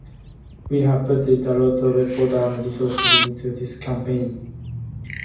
We have put in a lot of effort and resources into this campaign.